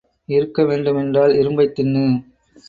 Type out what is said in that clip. இருக்க வேண்டும் என்றால் இரும்பைத் தின்னு.